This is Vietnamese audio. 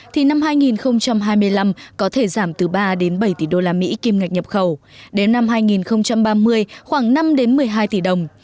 thì năm hai nghìn hai mươi năm có thể giảm từ ba đến bảy tỷ usd kim ngạch nhập khẩu đến năm hai nghìn ba mươi khoảng năm một mươi hai tỷ đồng